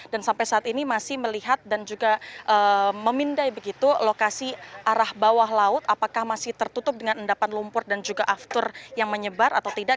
dan sampai saat ini masih melihat dan juga memindai begitu lokasi arah bawah laut apakah masih tertutup dengan endapan lumpur dan juga aftur yang menyebar atau tidak